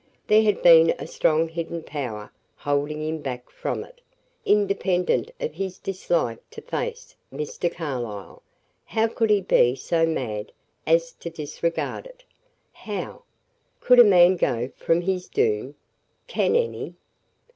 There had been a strong hidden power holding him back from it, independent of his dislike to face Mr. Carlyle; how could he be so mad as to disregard it? How? Could a man go from his doom? Can any?